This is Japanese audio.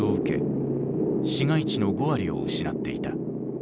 市街地の５割を失っていた。